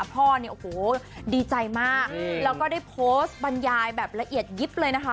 พ่อเนี่ยโอ้โหดีใจมากแล้วก็ได้โพสต์บรรยายแบบละเอียดยิบเลยนะคะ